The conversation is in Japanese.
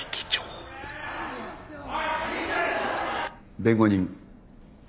弁護人。